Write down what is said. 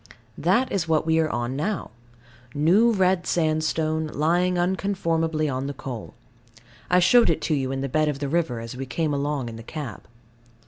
That is what we are on now. New red sandstone, lying unconformably on the coal. I showed it you in the bed of the river, as we came along in the cab.